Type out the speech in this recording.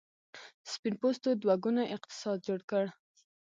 سپین پوستو دوه ګونی اقتصاد جوړ کړ.